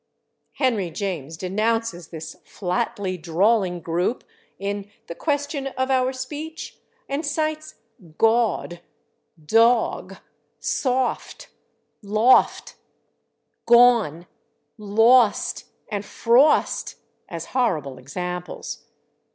Henry James denounces this "flatly drawling group" in "The Question of Our Speech," and cites /gawd/, /dawg/, /sawft/, /lawft/, /gawne/, /lawst/ and /frawst/ as horrible examples.